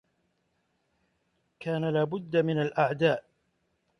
كان لا بد من الأعداء